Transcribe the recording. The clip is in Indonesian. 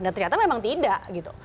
dan ternyata memang tidak gitu